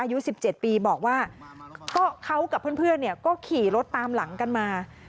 อายุ๑๗ปีบอกว่าก็เขากับเพื่อนก็ขี่รถตามหลังกันมา